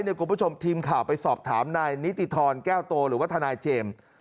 คุณผู้ชมทีมข่าวไปสอบถามนายนิติธรแก้วโตหรือว่าทนายเจมส์